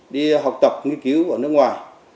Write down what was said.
đi học tập nghiên cứu ở nước ngoài